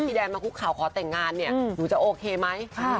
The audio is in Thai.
ที่แดนมาคลุกเค่าขอแต่งงานเอิ้นจะโอเคไหม